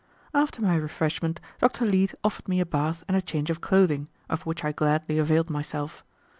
After my refreshment Dr. Leete offered me a bath and a change of clothing, of which I gladly availed myself.